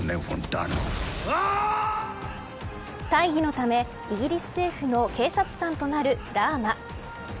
大義のためイギリス政府の警察官となるラーマ。